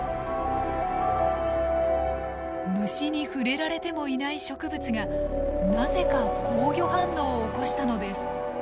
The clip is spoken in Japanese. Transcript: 虫に触れられてもいない植物がなぜか防御反応を起こしたのです。